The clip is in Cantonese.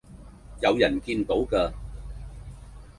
有人見到嘅